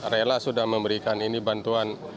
rela sudah memberikan ini bantuan